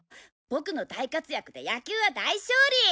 ボクの大活躍で野球は大勝利！